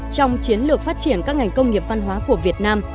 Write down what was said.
trong chiến lược phát triển các ngành công nghiệp văn hóa của việt nam